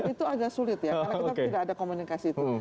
itu agak sulit ya karena kita tidak ada komunikasi itu